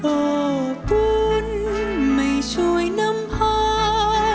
โอ้บุญไม่ช่วยน้ำพา